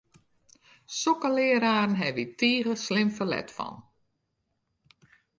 Sokke leararen hawwe wy tige slim ferlet fan!